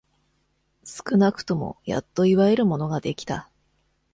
少なくとも、やっと祝えるものができた。